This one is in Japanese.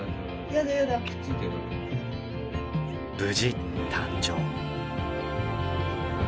無事誕生。